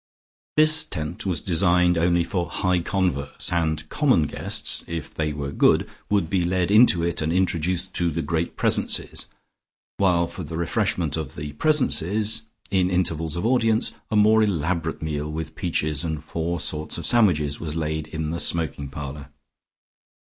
This tent was designed only for high converse, and common guests (if they were good) would be led into it and introduced to the great presences, while for the refreshment of the presences, in intervals of audience, a more elaborate meal, with peaches and four sorts of sandwiches was laid in the smoking parlour.